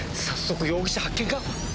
早速容疑者発見か？